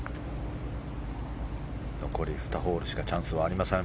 残り２ホールしかチャンスはありません。